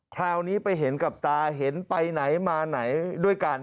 คราวนี้ไปเห็นกับตาเห็นไปไหนมาไหนด้วยกัน